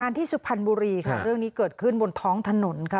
ที่สุพรรณบุรีค่ะเรื่องนี้เกิดขึ้นบนท้องถนนค่ะ